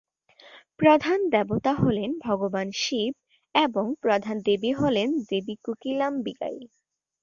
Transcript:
প্রধান দেবতা হলেন ভগবান শিব এবং প্রধান দেবী হলেন দেবী কোকিলামবিগাই।